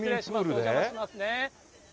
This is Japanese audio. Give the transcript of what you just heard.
お邪魔しますね。